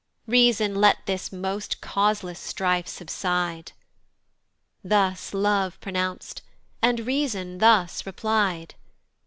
"Reason let this most causeless strife subside." Thus Love pronounc'd, and Reason thus reply'd.